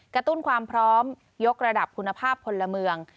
กระตุ้นความพร้อมยกระดับคุณภาพพลเมือง